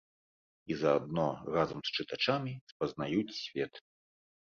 І заадно разам з чытачамі спазнаюць свет.